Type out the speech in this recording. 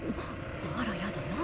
あらやだ何？